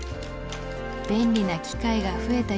便利な機械が増えた